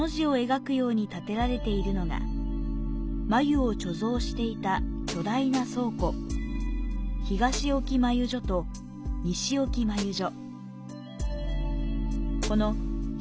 繭を貯蔵していた巨大な倉庫、東置繭所と西置繭所。